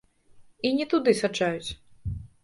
І не туды саджаюць.